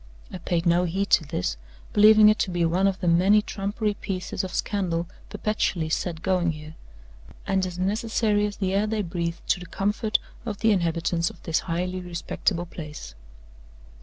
I paid no heed to this, believing it to be one of the many trumpery pieces of scandal perpetually set going here, and as necessary as the air they breathe to the comfort of the inhabitants of this highly respectable place.